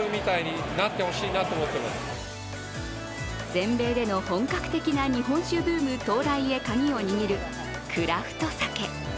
全米での本格的な日本酒ブーム到来へカギを握るクラフト酒。